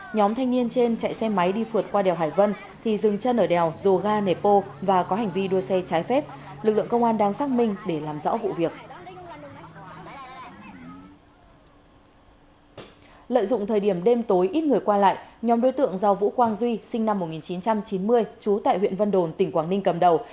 nhóm đối tượng do vũ quang duy sinh năm một nghìn chín trăm chín mươi trú tại huyện vân đồn tỉnh quảng ninh cầm đầu